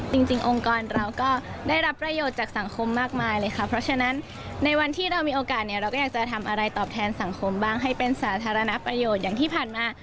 จริงองค์กรเราก็ได้รับประโยชน์จากสังคมมากมายเลยค่ะเพราะฉะนั้นในวันที่เรามีโอกาสเนี่ยเราก็อยากจะทำอะไรตอบแทนสังคมบ้างให้เป็นสาธารณประโยชน์อย่างที่ผ่านมา